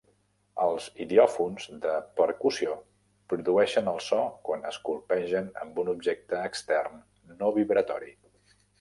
Els idiòfons de percussió produeixen el so quan es colpegen amb un objecte extern no vibratori.